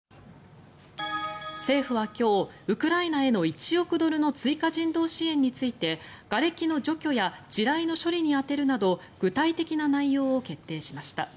政府は今日、ウクライナへの１億ドルの追加人道支援についてがれきの除去や地雷の処理に充てるなど具体的な内容を決定しました。